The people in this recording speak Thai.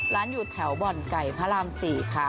ร้านอยู่แถวบ่อนไก่พระราม๔ค่ะ